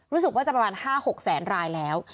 รู้สึกว่าจะประมาณ๕๖แสนรายแล้ว